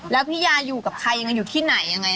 แล้วพี่ยาอยู่กับใครอยู่ที่ไหนอย่างไร